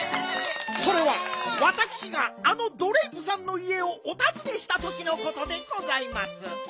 それはわたくしがあのドレープさんのいえをおたずねしたときのことでございます。